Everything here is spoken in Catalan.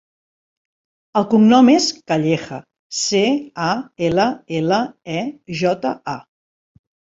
El cognom és Calleja: ce, a, ela, ela, e, jota, a.